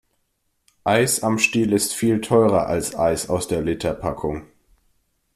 Eis am Stiel ist viel teurer als Eis aus der Literpackung.